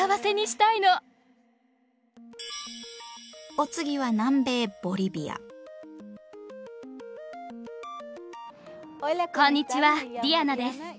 お次は南米こんにちはディアナです。